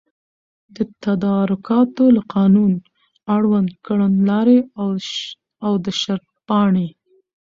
د تدارکاتو له قانون، اړوند کړنلاري او د شرطپاڼي